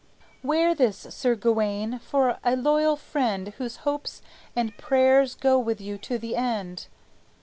"Wear this, Sir Gawayne, for a loyal friend Whose hopes and prayers go with you to the end."